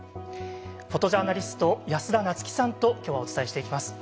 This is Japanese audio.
フォトジャーナリスト安田菜津紀さんと今日はお伝えしていきます。